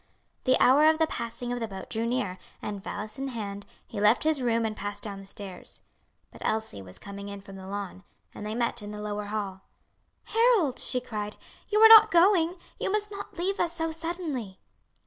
The hour of the passing of the boat drew near, and valise in hand, he left his room and passed down the stairs. But Elsie was coming in from the lawn, and they met in the lower hall. "Harold," she cried, "you are not going? You must not leave us so suddenly."